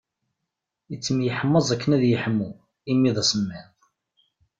Ittemyeḥmaẓ akken ad yeḥmu imi d asemmiḍ.